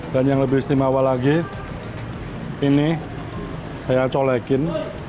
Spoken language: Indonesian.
dan yang lebih istimewa lagi ini saya colekin